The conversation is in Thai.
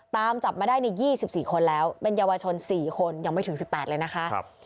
ตามจับมาได้ใน๒๔คนแล้วเป็นเยาวชน๔คนยังไม่ถึง๑๘เลยนะคะ